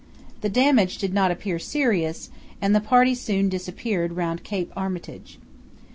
The damage did not appear serious, and the party soon disappeared round Cape Armitage.